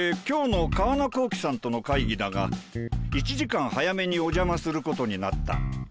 今日の川名工器さんとの会議だが１時間早めにお邪魔することになった。